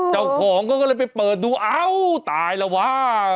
เจ้าของเขาก็เลยไปเปิดดูเอ้าตายแล้วว้า